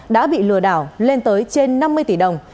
đã bị lừa đảo lên tới trên năm mươi tỷ đồng